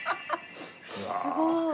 すごい！